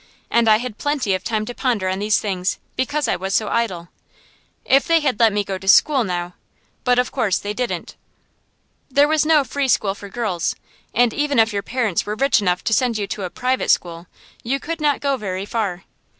And I had plenty of time to ponder on these things, because I was so idle. If they had let me go to school, now But of course they didn't. There was no free school for girls, and even if your parents were rich enough to send you to a private school, you could not go very far.